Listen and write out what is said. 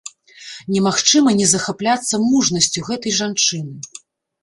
Немагчыма не захапляцца мужнасцю гэтай жанчыны.